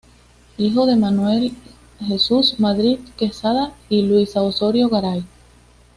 Hijo de Manuel Jesús Madrid Quezada y Luisa Osorio Garay.